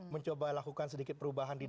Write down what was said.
mencoba lakukan sedikit perubahan di